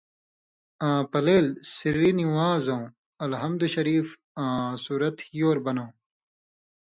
آں پلیل/ سِرّی نِوانزٶں (اَلحمدُ شریف آں سورت ہِیور بنٶں)